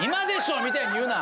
みたいに言うな。